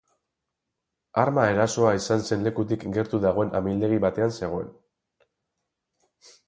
Arma erasoa izan zen lekutik gertu dagoen amildegi batean zegoen.